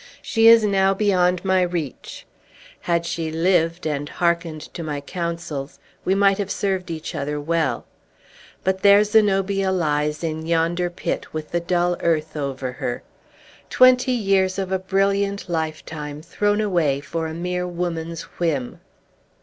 "She is now beyond my reach. Had she lived, and hearkened to my counsels, we might have served each other well. But there Zenobia lies in yonder pit, with the dull earth over her. Twenty years of a brilliant lifetime thrown away for a mere woman's whim!"